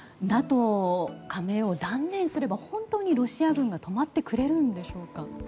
ＮＡＴＯ加盟を断念すれば、本当にロシア軍が止まってくれるんでしょうか。